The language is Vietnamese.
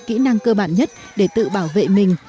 kỹ năng cơ bản nhất để tự bảo vệ mình